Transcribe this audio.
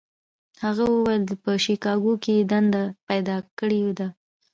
هغه وویل په شیکاګو کې یې دنده پیدا کړې ده.